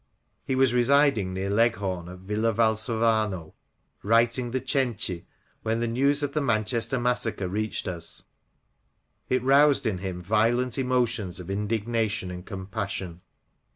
He was residing near Leghorn, at Villa Valsovano, writing The Cenci, when the news of the Manchester Massacre reached us : it roused in him violent emotions of indignation and compassion.